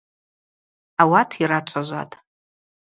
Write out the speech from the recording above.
Ауат йрачважватӏ.